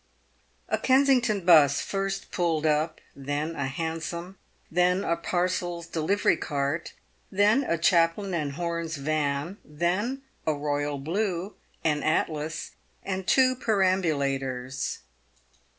A Kensington 'bus first pulled up, then a Hansom, then a parcels delivery cart, then a Chaplin and Home's van, then a " Royal Blue," an " Atlas," and two perambulators.